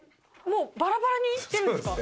もうバラバラにしてるんですか？